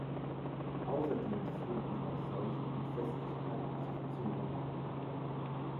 Außerdem führten auch Seuchen und Festlichkeiten zu Verzögerungen.